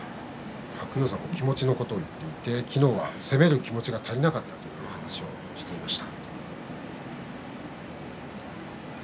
白鷹山は気持ちのことを言っていて昨日は攻める気持ちが足りなかったと言っていました。